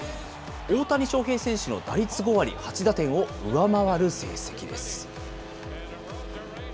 大谷翔平選手の打率５割、８打点を上回る成績です。